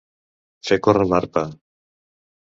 Fer córrer l'arpa.